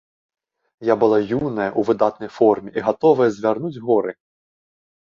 Я была юная, у выдатнай форме і гатовая звярнуць горы!